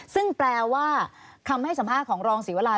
ซึ่งแปลว่าคำให้สัมภาษณ์ของรองศรีวรา